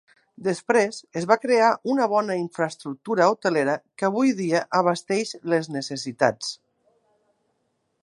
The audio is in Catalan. Després es va crear una bona infraestructura hotelera que avui dia abasteix les necessitats.